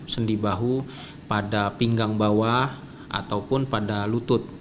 sendi bahu pada pinggang bawah ataupun pada lutut